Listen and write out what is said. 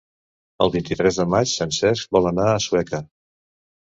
El vint-i-tres de maig en Cesc vol anar a Sueca.